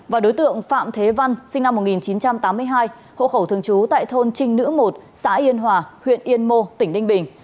và đối tượng phạm thế văn sinh năm một nghìn chín trăm tám mươi hai hộ khẩu thường trú tại thôn trinh nữ một xã yên hòa huyện yên mô tỉnh ninh bình